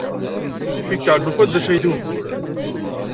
Cikkeɣ nufa-d d acu ay d ugur.